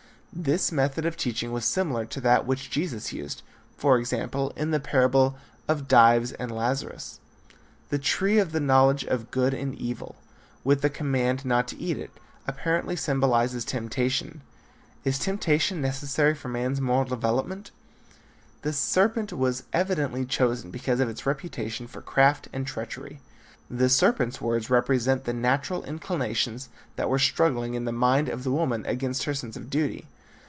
This method of teaching was similar to that which Jesus used, for example, in the parable of Dives and Lazarus. The tree of the knowledge of good and evil, with the command not to eat of it, apparently symbolizes temptation. Is temptation necessary for man's moral development? The serpent was evidently chosen because of its reputation for craft and treachery. The serpent's words represent the natural inclinations that were struggling in the mind of the woman against her sense of duty.